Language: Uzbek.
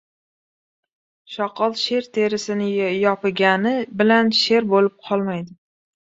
• Shoqol sher terisini yopigani bilan sher bo‘lib qolmaydi.